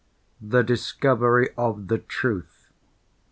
THE DISCOVERY OF THE TRUTH.